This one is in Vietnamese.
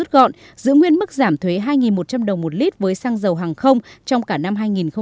còn giữ nguyên mức giảm thuế hai một trăm linh đồng một lít với sang dầu hàng không trong cả năm hai nghìn hai mươi một